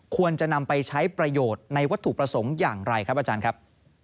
ควรจะนำไปใช้ประโยชน์ในวัตถุประสงค์อย่างไรครับอาจารย์ครับ